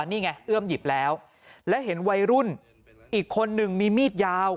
นี่ไงเอื้อมหยิบแล้วและเห็นวัยรุ่นอีกคนหนึ่งมีมีดยาว